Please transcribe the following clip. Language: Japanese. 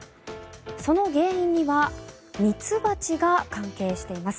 その原因にはミツバチが関係しています。